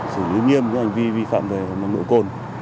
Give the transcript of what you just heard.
xử lý nghiêm với hành vi vi phạm về nồng đội côn